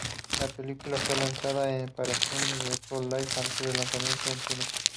La película fue lanzada para Zune y Xbox Live antes del lanzamiento en cines.